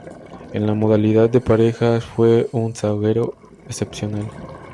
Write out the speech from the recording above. En la modalidad de parejas, fue un zaguero excepcional.